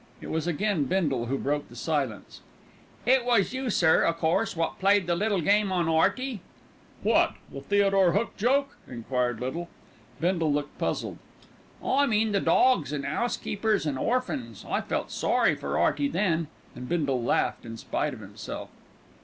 It was again Bindle who broke the silence. "It was you, sir, o' course, wot played that little game on 'Earty?" "What, the Theodore Hook joke?" enquired Little. Bindle looked puzzled. "I mean the dogs an' 'ousekeepers an' orphans. I felt sorry for 'Earty then." And Bindle laughed in spite of himself.